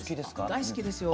大好きですよ。